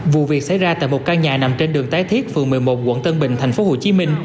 vụ việc xảy ra tại một căn nhà nằm trên đường tái thiết phường một mươi một quận tân bình tp hcm